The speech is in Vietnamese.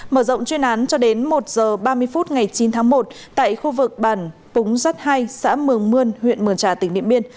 mở rộng chuyên án cho đến một h ba mươi phút ngày chín tháng một tại khu vực bản púng rắt hai xã mường mươn huyện mường trà tỉnh điện biên